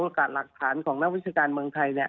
หรือการหลักฐานนักวิจการเมืองไทยเนี่ย